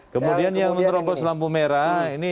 kemudian yang terobos lampu merah